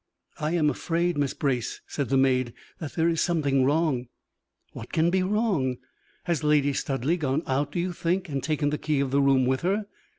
"I am afraid, Miss Brace," said the maid, "that there is something wrong!" "What can be wrong? Has Lady Studleigh gone out, do you think, and taken the key of the room with her?